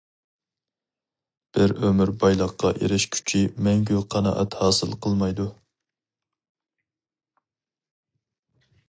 بىر ئۆمۈر بايلىققا ئېرىشكۈچى مەڭگۈ قانائەت ھاسىل قىلمايدۇ.